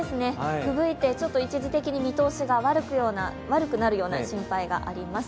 吹雪いてちょっと一時的に見通しが悪くなるような心配があります。